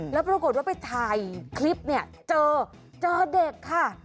แล้วปรากฏว่าไปถ่ายคลิปเจอเด็กค่ะ